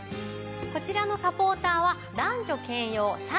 こちらのサポーターは男女兼用・左右兼用です。